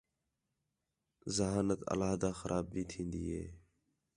ذہانت علیحدہ خراب پئی تِھین٘دی ہِے